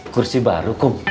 kursi baru kom